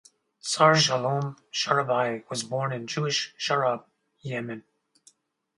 Sar Shalom Sharabi was born in Jewish Sharab, Yemen.